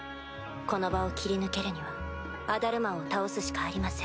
この場を切り抜けるにはアダルマンを倒すしかありません。